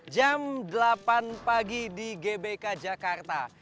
jam delapan pagi di gbk jakarta